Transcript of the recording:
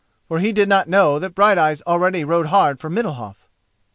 For he did not know that Brighteyes already rode hard for Middalhof.